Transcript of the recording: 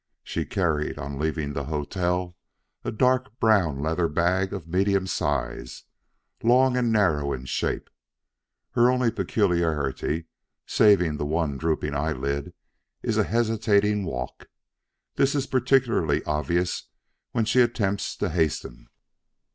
She carried, on leaving the hotel, a dark brown leather bag of medium size, long and narrow in shape. Her only peculiarity, saving the one drooping eyelid, is a hesitating walk. This is particularly obvious when she attempts to hasten.